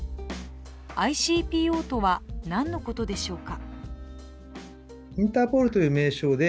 ＩＣＰＯとは何のことでしょうか。